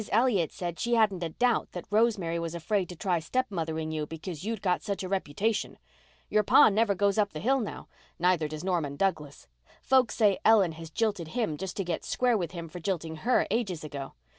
Elliott said she hadn't a doubt that Rosemary was afraid to try stepmothering you because you'd got such a reputation. Your pa never goes up the hill now. Neither does Norman Douglas. Folks say Ellen has jilted him just to get square with him for jilting her ages ago.